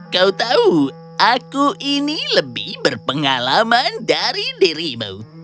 kau tahu aku ini lebih berpengalaman dari dirimu